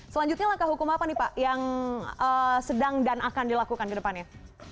selanjutnya langkah hukum apa nih pak yang sedang dan akan dilakukan ke depannya